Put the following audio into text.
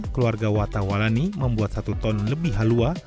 keluarga wata walani membuat satu ton lebih halua